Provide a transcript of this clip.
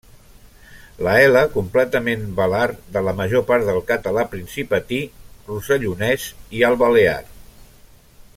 La ela completament velar de la major part del català principatí, rossellonès i al balear.